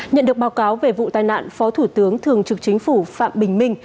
nhận được báo cáo về vụ tai nạn phó thủ tướng thường trực chính phủ phạm bình minh